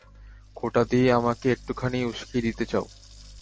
খোঁটা দিয়ে আমাকে একটুখানি উসকিয়ে দিতে চাও।